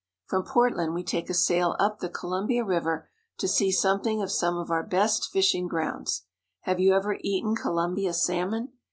From Portland we take a sail up the Columbia River to see something of some of our best fishing grounds. Have you ever eaten Columbia salmon?